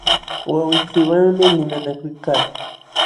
Wawqiykiwanmi limanakuykaa.